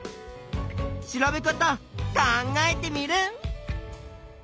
調べ方考えテミルン！